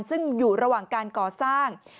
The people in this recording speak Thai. ซึ่งอยู่ระหว่างการก่อสร้าง